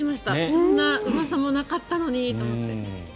そんなうわさもなかったのにと思って。